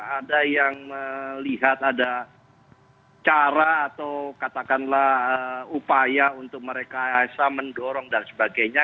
ada yang melihat ada cara atau katakanlah upaya untuk mereka mendorong dan sebagainya